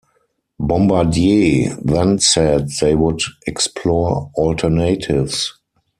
Bombardier then said they would explore alternatives.